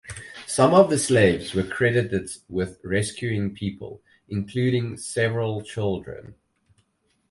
Some of the slaves were credited with rescuing people, including several children.